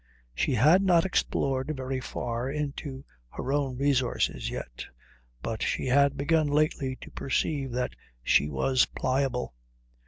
She had not explored very far into her own resources yet, but she had begun lately to perceive that she was pliable.